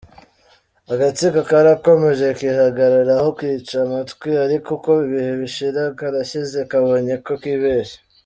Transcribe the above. Agatsiko karakomeje, kihagararaho, kica amatwi ariko uko ibihe bishira karashyize kabonyeko kibeshye.